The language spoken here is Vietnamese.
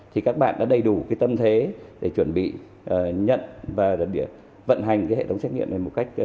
thì các bạn đã đầy đủ tâm thế để chuẩn bị nhận và vận hành hệ thống xét nghiệm này